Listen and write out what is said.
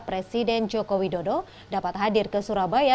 presiden joko widodo dapat hadir ke surabaya